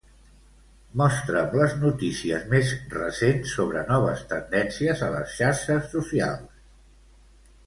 Mostra'm les notícies més recents sobre noves tendències a les xarxes socials.